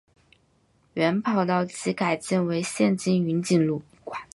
原跑道即改建为现今云锦路。